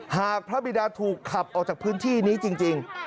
หากพระบิดาถูกขับออกจากพื้นที่นี้จริง